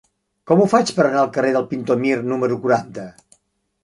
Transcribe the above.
Com ho faig per anar al carrer del Pintor Mir número quaranta?